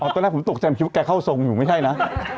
ตอนแรกผมตกใจคิดว่าแกเข้าทรงอยู่ไม่ใช่นะ